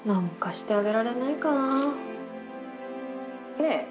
ねえ。